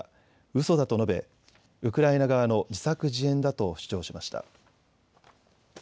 うそだと述べ、ウクライナ側の自作自演だと主張しました。